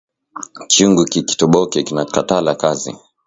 Kyungu kikitoboke kinakatala kazi